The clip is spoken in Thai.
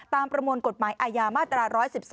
ประมวลกฎหมายอาญามาตรา๑๑๒